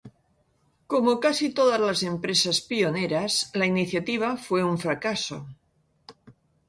Como casi todas las empresas pioneras, la iniciativa fue un fracaso.